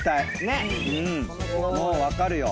もう分かるよ。